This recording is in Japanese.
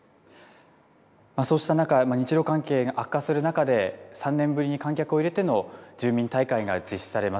そうした中、日ロ関係が悪化する中で、３年ぶりに観客を入れての住民大会が実施されます。